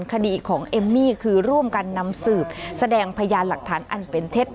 คดีของเอมมี่คือร่วมกันนำสืบแสดงพยานหลักฐานอันเป็นเท็จ